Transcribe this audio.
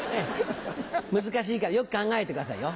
難しいからよく考えてくださいよ。